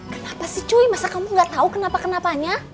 kenapa sih cuy masa kamu gak tau kenapa kenapanya